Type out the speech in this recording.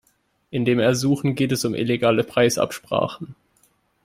In dem Ersuchen geht es um illegale Preisabsprachen.